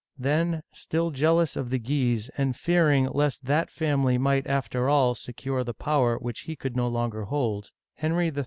Then, still jealous of the Guises, and fearing lest that family might, after all, secure the power which he could no longer hold, Henry III.